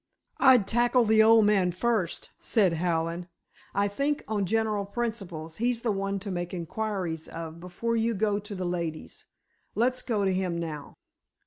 "I'd tackle the old man first," said Hallen; "I think, on general principles, he's the one to make inquiries of before you go to the ladies. Let's go to him now."